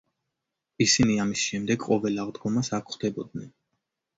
ისინი ამის შემდეგ ყოველ აღდგომას აქ ხვდებოდნენ.